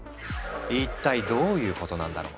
一体どういうことなんだろう？